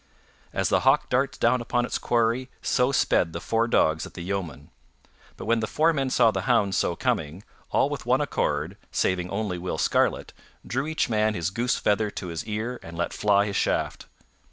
As the hawk darts down upon its quarry, so sped the four dogs at the yeomen; but when the four men saw the hounds so coming, all with one accord, saving only Will Scarlet, drew each man his goose feather to his ear and let fly his shaft.